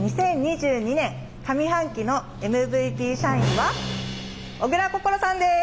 ２０２２年上半期のＭＶＰ社員は小倉心愛さんです！